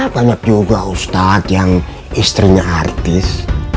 banyak juga ustadz yang istrinya artis